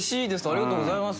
ありがとうございます。